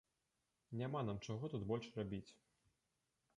Няма нам чаго тут больш рабіць!